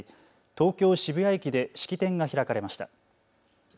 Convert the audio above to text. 東京渋谷駅で式典が開かれました。